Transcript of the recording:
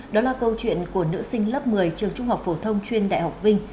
đó là câu chuyện của nữ sinh lớp một mươi trường trung học phổ thông chuyên đại học vinh